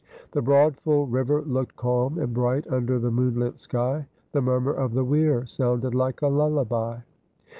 The broad full river looked calm and bright under the moonlit sky ; the murmur of the weir sounded like a lullaby.